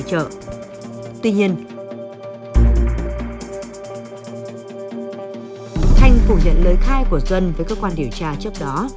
thanh phủ nhận lời khai của duân với cơ quan điều tra trước đó